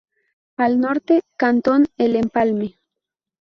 Al Norte, cantón El Empalme.